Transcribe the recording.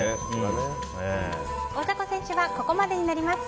大迫選手はここまでになります。